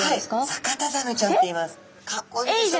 サカタザメちゃんっていいます。